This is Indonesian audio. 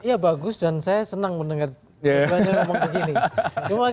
ya bagus dan saya senang mendengar banyak ngomong begini